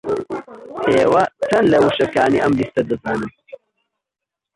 ئێوە چەند لە وشەکانی ئەم لیستە دەزانن؟